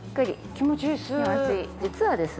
気持ちいいです。